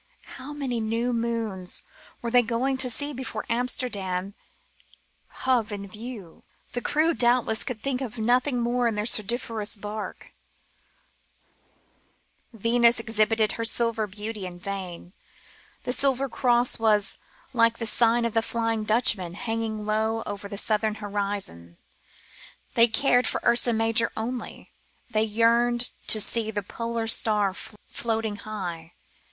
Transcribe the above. How many new moons were they going to see before Amsterdam hove in view ? The crew, doubtless, could think of nothing more in their sudoriferous barque. Venus exhibited her silver beauty in vain ; the Southern Cross was, like the sign of the Flying Dutchman, hang ing low over the southern horizon ; they cared for Ursa Major only, and yearned to see the Pole Star floating high.